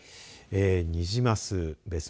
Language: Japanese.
ニジマスですね。